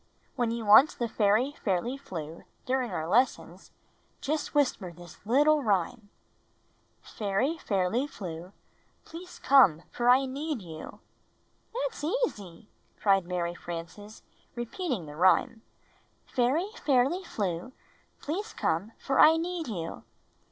"When you want the fairy Fairly Flew during our lessons, just whisper this little rhyme: " 'Fairy Fairly Flew, Please come, for I need you.' " "That's easy!" cried Mary Frances, repeating the rhyme: "Fairy Fairly Flew, Please come, for I need you."